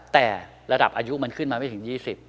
แต่ระดับอายุมันขึ้นมาไม่ถึง๒๐